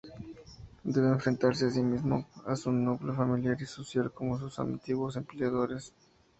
Debe enfrentarse asimismo a su núcleo familiar y social como a sus antiguos empleadores.